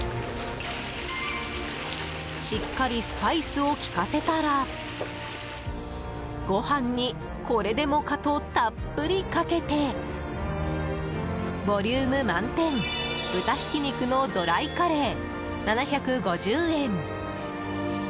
しっかりスパイスを効かせたらご飯に、これでもかとたっぷりかけてボリューム満点豚ひき肉のドライカレー７５０円。